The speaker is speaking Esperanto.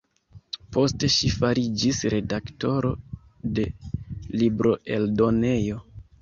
Poste ŝi fariĝis redaktoro de libroeldonejo.